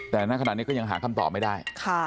แต่หน้าขนาดนี้ก็ยังหาคำตอบไม่ได้ค่ะ